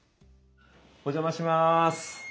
お邪魔します。